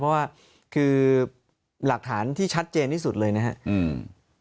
เพราะว่าคือหลักฐานที่ชัดเจนที่สุดเลยนะครับอืม